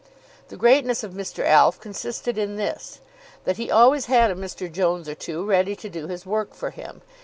The greatness of Mr. Alf consisted in this, that he always had a Mr. Jones or two ready to do his work for him.